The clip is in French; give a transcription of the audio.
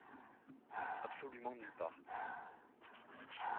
Absolument nulle part.